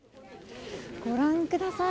ご覧ください。